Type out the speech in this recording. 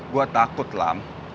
gua takut lam